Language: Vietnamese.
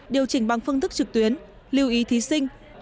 điều chỉnh bằng phương thức trực tuyến lưu ý thí sinh